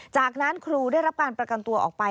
จากนั้นครูได้รับการประกันตัวออกไป